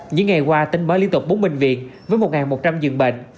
những ngày qua tính mới liên tục bốn bệnh viện với một một trăm linh dường bệnh